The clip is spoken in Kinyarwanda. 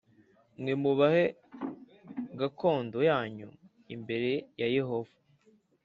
Mwubahe gakondo yanyu imbere ya Yehova.